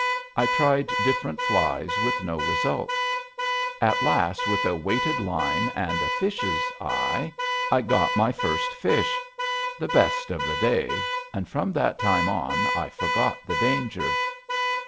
I tried different flies with no result. At last, with a weighted line and a fish's eye, I got my first fish the best of the day, and from that time on I forgot the danger.